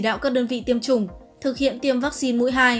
đơn vị tiêm chủng thực hiện tiêm vaccine mũi hai